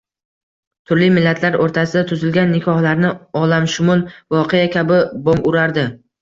Turli millatlar o`rtasida tuzilgan nikohlarni olamshumul voqea kabi bong urardi